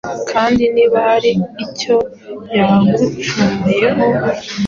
Kandi niba hari icyo yagucumuyeho,